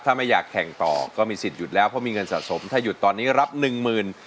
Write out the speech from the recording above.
ถ้าไม่อยากแข่งต่อก็มีสิทธิหยุดแล้วเพราะมีเงินสะสมถ้าหยุดตอนนี้รับหนึ่งหมื่น